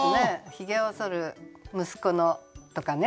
「ひげをそる息子の」とかね